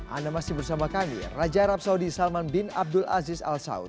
anda masih bersama kami raja arab saudi salman bin abdul aziz al saud